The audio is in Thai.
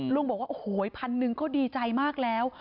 ลุงบอกว่าพันหนึ่งก็ดีใจมากแล้ว